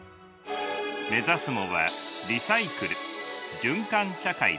目指すのはリサイクル「循環社会」です。